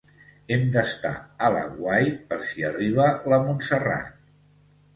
Hem d'estar a l'aguait per si arriba la Montserrat.